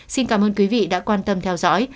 xin cảm ơn quý vị đã quan tâm theo dõi